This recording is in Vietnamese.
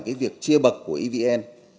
cái việc chia bậc của evn